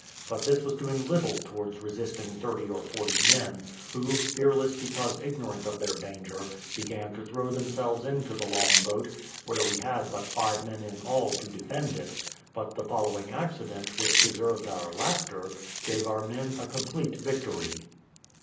But this was doing little towards resisting thirty or forty men, who, fearless because ignorant of their danger, began to throw themselves into the longboat, where we had but five men in all to defend it; but the following accident, which deserved our laughter, gave our men a complete victory.